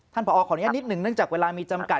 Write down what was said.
ผอขออนุญาตนิดหนึ่งเนื่องจากเวลามีจำกัด